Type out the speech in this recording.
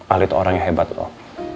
ahli itu orang yang hebat loh